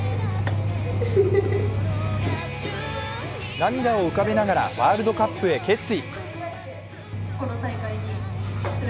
涙を浮かべながらワールドカップへ決意。